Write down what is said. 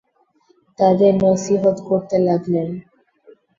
তাদের নসীহত করতে লাগলেন।